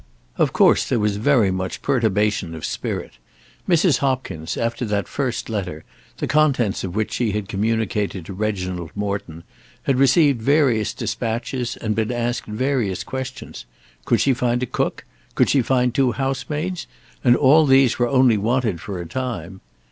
Of course there was very much perturbation of spirit. Mrs. Hopkins, after that first letter, the contents of which she had communicated to Reginald Morton, had received various despatches and been asked various questions. Could she find a cook? Could she find two housemaids? And all these were only wanted for a time.